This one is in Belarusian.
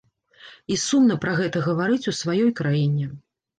І сумна пра гэта гаварыць у сваёй краіне.